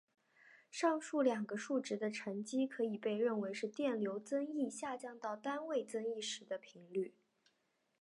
上述两个数值的乘积可以被认为是电流增益下降到单位增益时的频率。